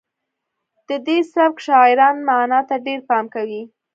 د دې سبک شاعران معنا ته ډیر پام کوي